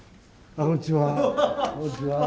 こんにちは。